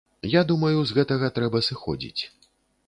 Я думаю, з гэтага трэба сыходзіць.